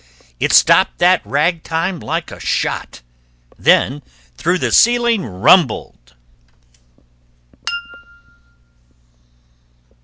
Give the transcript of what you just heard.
It stopped that rag time like a shot, Then through the ceiling rumbled.